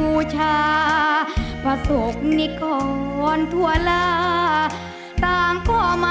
รุ่นดนตร์บุรีนามีดังใบปุ่ม